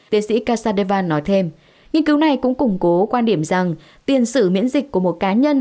tiến sĩ kasaeva nói thêm nghiên cứu này cũng củng cố quan điểm rằng tiền sự miễn dịch của một cá nhân